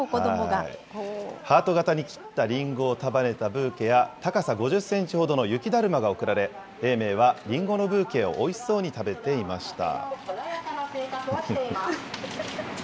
ハート形に切ったリンゴを束ねたブーケや、高さ５０センチほどの雪だるまが贈られ、永明はリンゴのブーケをおいしそうに食べていました。